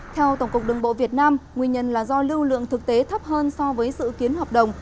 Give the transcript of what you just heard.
theo tổng cục đường bộ việt nam nguyên nhân là do lưu lượng thực tế thấp hơn so với dự kiến hợp đồng